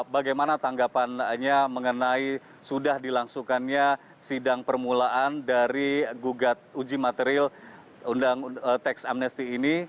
bagaimana tanggapannya mengenai sudah dilangsungkannya sidang permulaan dari gugat uji materi undang teks amnesty ini